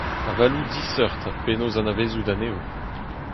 Avaloù diseurt ha penaos anavezout anezho.